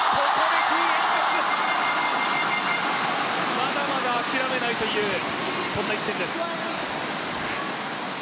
まだまだ諦めないという、そんな１点です。